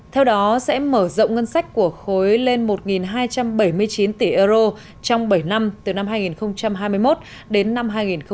theo đó sẽ mở rộng ngân sách của khối lên một hai trăm bảy mươi chín tỷ euro trong bảy năm từ năm hai nghìn hai mươi một đến năm hai nghìn hai mươi năm